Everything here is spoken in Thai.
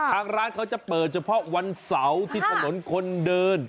ทางร้านเขาจะเปิดเฉพาะวันเสาร์ที่ถนนคนเดิน